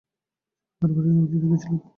চোরা কারবারিরা, ওদের দেখেছিলাম।